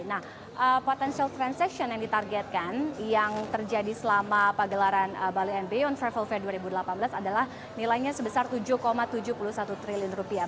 nah potential transaction yang ditargetkan yang terjadi selama pagelaran bali and beyond travel fair dua ribu delapan belas adalah nilainya sebesar tujuh tujuh puluh satu triliun rupiah